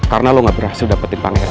karena lo gak berhasil dapetin pangeran